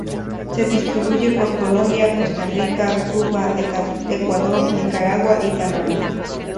Se distribuye por Colombia, Costa Rica, Cuba, Ecuador, Nicaragua y Panamá.